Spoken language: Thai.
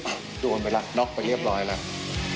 โดนไปแล้วน็อกไปเรียบร้อยแล้ว